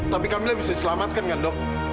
tapi kami bisa diselamatkan kan dok